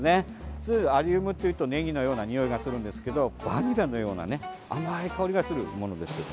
普通、アリウムっていうとねぎのようなにおいがするんですけどバニラのようなね甘い香りがするんですよ。